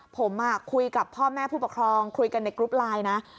ผมคุยกับพ่อแม่ผู้ปกครองคุยกันในกรุ๊ปไลน์นะ